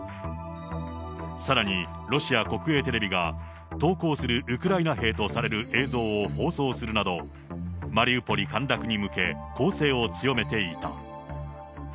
さらにロシア国営テレビが投降するウクライナ兵とされる映像を放送するなど、マリウポリ陥落に向け、攻勢を強めていた。